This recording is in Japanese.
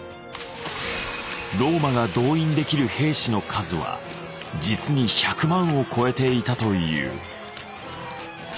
ローマが動員できる兵士の数は実に１００万を超えていたという。